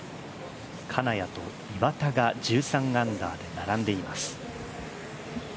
金谷と岩田が１３アンダーで並んでいます。